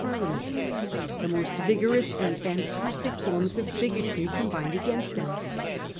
Parliament. The most various and fantastic forms of bigotry combined against them.